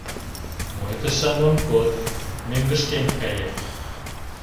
— Мый тышан ом код, мӧҥгышкем каем.